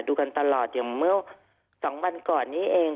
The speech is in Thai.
ดูกันตลอดอย่างเมื่อ๒วันก่อนนี้เอง